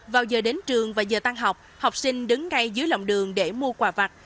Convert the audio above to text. vào giờ đến trường và giờ tăng học học sinh đứng ngay dưới lòng đường để mua quà vặt